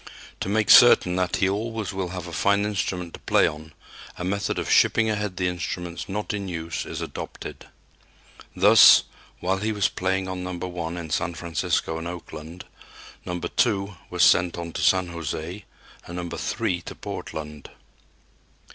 To make certain that he always will have a fine instrument to play on, a method of shipping ahead the instruments not in use is adopted. Thus, while he was playing on No. 1 in San Francisco and Oakland, No. 2 was sent on to San José and No. 3 to Portland.